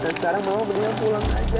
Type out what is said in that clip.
dan sekarang mama mendingan pulang aja